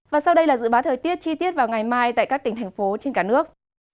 và sau đây là dự báo thời tiết chi tiết vào ngày mai tại các tỉnh thành phố trên cả nước